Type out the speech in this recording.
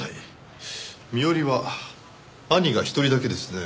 身寄りは兄が１人だけですね。